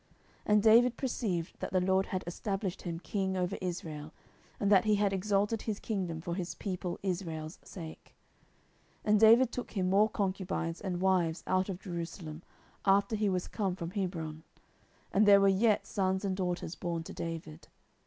10:005:012 And David perceived that the LORD had established him king over Israel, and that he had exalted his kingdom for his people Israel's sake. 10:005:013 And David took him more concubines and wives out of Jerusalem, after he was come from Hebron: and there were yet sons and daughters born to David.